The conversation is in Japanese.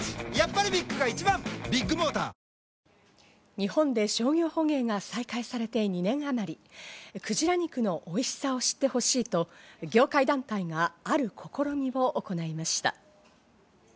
日本で商業捕鯨が再開されて２年あまり、鯨肉のおいしさを知ってほしいと業界団体がある試みを行いました。